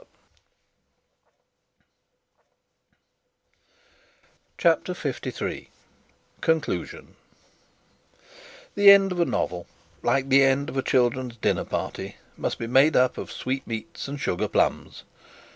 CHAPTER LIII CONCLUSION The end of a novel, like the end of a children's dinner party, must be made up of sweetmeats and sugar plums.